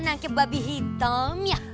nangkep babi hitam ya